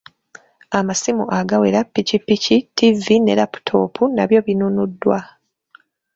Amasimu agawera, ppikipiki, ttivi ne laputoopu nabyo binnunuddwa.